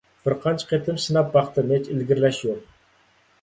بىر قانچە قېتىم سىناپ باقتىم، ھېچ ئىلگىرىلەش يوق!